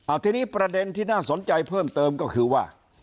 ทีนี้ประเด็นที่น่าสนใจเพิ่มเติมก็คือว่า